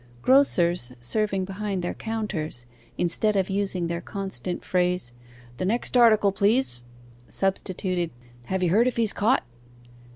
Grocers serving behind their counters, instead of using their constant phrase, 'The next article, please?' substituted, 'Have you heard if he's caught?